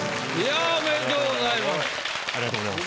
ありがとうございます。